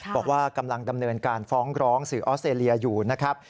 บอกว่ากำลังดำเนินการฟ้องร้องสื่อออสเตรเลียอยู่นะครับ